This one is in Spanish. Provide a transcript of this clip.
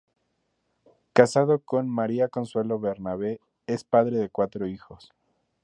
Casado con María Consuelo Benavente, es padre de cuatro hijos.